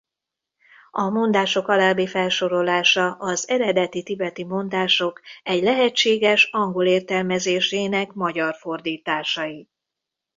A mondások alábbi felsorolása az eredeti tibeti mondások egy lehetséges angol értelmezésének magyar fordításai.